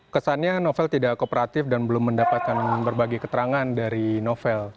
kesannya novel tidak kooperatif dan belum mendapatkan berbagai keterangan dari novel